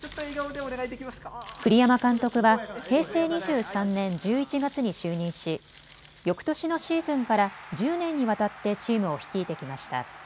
栗山監督は平成２３年１１月に就任しよくとしのシーズンから１０年にわたってチームを率いてきました。